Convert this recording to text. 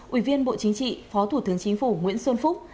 ủy viên bộ chính trị phó thủ tướng chính phủ nguyễn xuân phúc